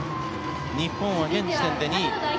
日本は現時点で２位。